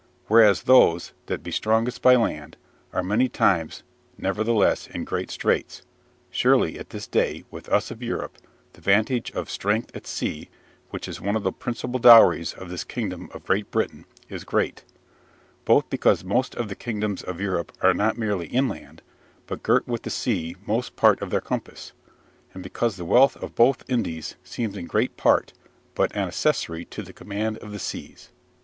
Whereas those, that be strongest by land, are many times neverthelesse in great Straights. Surely, at this Day, with us of Europe, the Vantage of Strength at Sea (which is one of the Principall Dowries of this Kingdome of Greate Brittaine) is Great; Both because Most of the Kingdomes of Europe are not merely Inland, but girt with the Sea most part of their Compasse; and because the Wealth of both Indies seemes in great Part but an Accessary to the Command of the Seas."